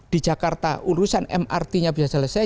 di jakarta urusan mrt nya bisa selesai